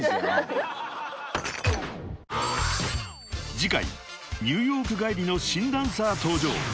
［次回ニューヨーク帰りの新ダンサー登場］